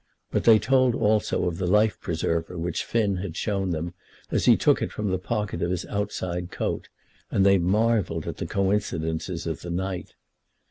But they told also of the life preserver which Finn had shown them, as he took it from the pocket of his outside coat, and they marvelled at the coincidences of the night.